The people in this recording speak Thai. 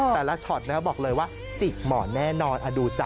แต่ละช็อตนะบอกเลยว่าจิกหมอนแน่นอนดูจ้